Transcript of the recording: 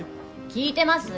聞いてます？